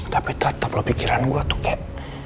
tapi tetep lo pikiran gue tuh kayak